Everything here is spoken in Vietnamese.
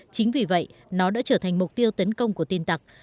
chính vì vậy nó đã trở thành mục tiêu tấn công của tin tặc